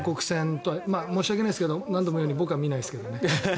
申し訳ないですけど何度も言うように僕は見ないですけどね。